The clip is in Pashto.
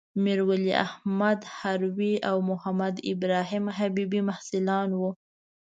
میرولی احمد هروي او محمدابراهیم حبيبي محصلان وو.